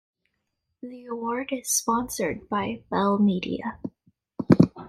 The award is sponsored by Bell Media.